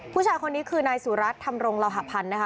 ผู้ชายคนนี้คือนายสุรัตนธรรมรงโลหะพันธ์นะคะ